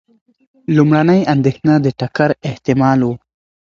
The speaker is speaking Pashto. لومړنۍ اندېښنه د ټکر احتمال و.